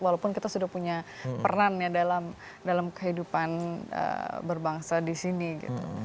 walaupun kita sudah punya peran ya dalam kehidupan berbangsa di sini gitu